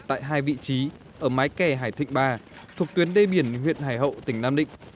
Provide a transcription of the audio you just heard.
tại hai vị trí ở mái kè hải thịnh ba thuộc tuyến đê biển huyện hải hậu tỉnh nam định